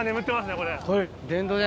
これ。